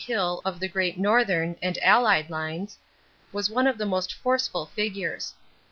Hill, of the Great Northern and allied lines, was one of the most forceful figures.